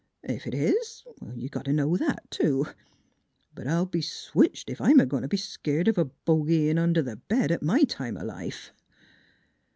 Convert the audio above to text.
Ef it is, you got t' know that, too. But I'll be switched ef I'm a goin' t' be skeered of a bogey in under th' bed, at my time o' life!"